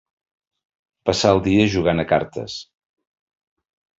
Passar el dia jugant a cartes.